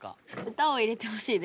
歌を入れてほしいです。